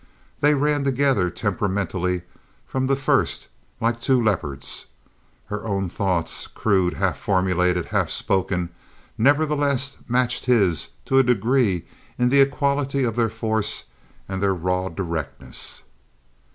They ran together temperamentally from the first like two leopards. Her own thoughts—crude, half formulated, half spoken—nevertheless matched his to a degree in the equality of their force and their raw directness.